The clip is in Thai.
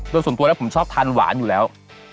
โดยส่วนตัวแล้วผมชอบทานหวานอยู่แล้ว